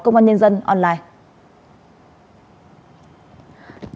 ngoan nhân dân online